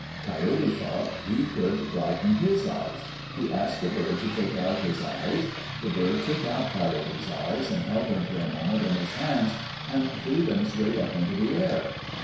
Coyote thought he could brighten his eyes. He asked the bird to take out his eyes. The bird took out Coyote's eyes, held them for a moment in his hands, and threw them straight up into the air.